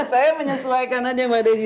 saya menyesuaikan aja mbak desi